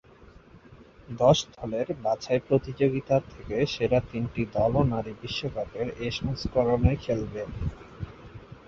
দশ দলের বাছাই প্রতিযোগিতা থেকে সেরা তিনটি দলও নারী বিশ্বকাপের এ সংস্করণে খেলবে।